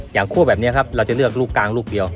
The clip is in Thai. คั่วแบบนี้ครับเราจะเลือกลูกกลางลูกเดียว